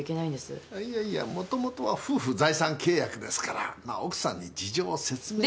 あいやいやもともとは夫婦財産契約ですからまあ奥さんに事情を説明して。